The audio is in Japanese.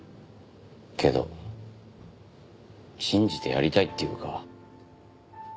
けど信じてやりたいっていうか。